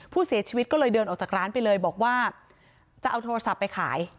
ผู้เสียชีวิตก็เลยเดินออกจากร้านไปเลยบอกว่าจะเอาโทรศัพท์ไปขาย